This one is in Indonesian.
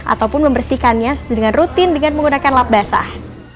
ataupun membersihkannya dengan rutin dengan menggunakan lap basah